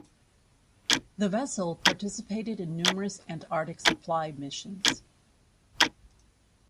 The vessel participated in numerous Antarctic supply missions.